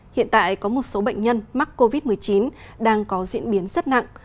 hiện tại có một số bệnh nhân mắc covid một mươi chín đang có diễn biến rất nặng